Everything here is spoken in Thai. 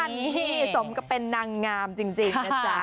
นี่สมกับเป็นนางงามจริงนะจ๊ะ